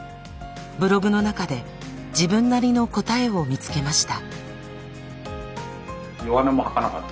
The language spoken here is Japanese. ブログの中で自分なりの答えを見つけました。